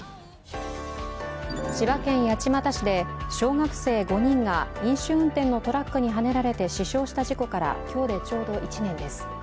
千葉県八街市で小学生５人が飲酒運転のトラックにはねられて死傷した事故から今日でちょうど１年です。